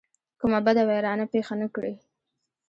کومه بده ویرانه پېښه نه کړي.